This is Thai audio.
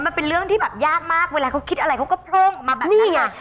มันเป็นเรื่องที่แบบยากมากเวลาเขาคิดอะไรเขาก็โพร่งออกมาแบบนั้นไง